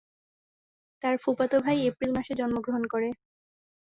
তার ফুফাতো ভাই এপ্রিল মাসে জন্মগ্রহণ করে।